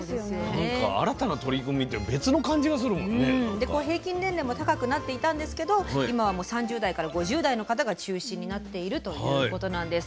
で平均年齢も高くなっていたんですけど今はもう３０代から５０代の方が中心になっているということなんです。